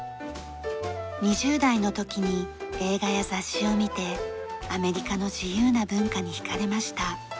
２０代の時に映画や雑誌を見てアメリカの自由な文化に引かれました。